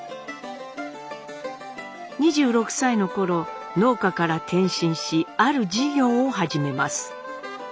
２６歳の頃農家から転身しある事業を始めます。